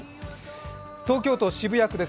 東京都渋谷区です